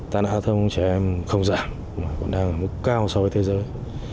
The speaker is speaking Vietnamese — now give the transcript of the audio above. tài nạn đa thông trẻ em không giảm mà còn đang ở mức cao so với thế giới